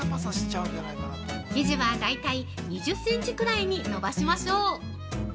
◆生地は大体２０センチくらいに伸ばしましょう。